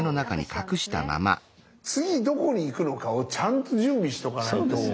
次どこに行くのかをちゃんと準備しとかないと。